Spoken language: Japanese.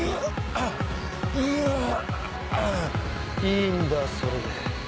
いいんだそれで。